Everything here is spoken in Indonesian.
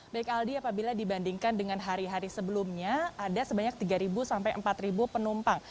baik aldi apabila dibandingkan dengan hari hari sebelumnya ada sebanyak tiga sampai empat penumpang